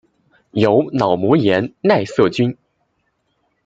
由脑膜炎奈瑟菌。